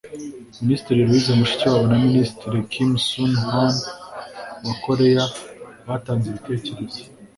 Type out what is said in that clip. Minisitiri Louise Mushikiwabo na Minisitiri Kim Sun-Hwam wa Korea batanze ibitekerezo